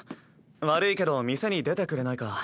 悪いけど店に出てくれないか。